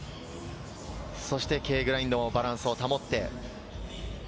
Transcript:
そしてＫグラインドもバランスを保って。